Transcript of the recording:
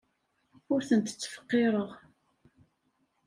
Ur tent-ttfeqqireɣ.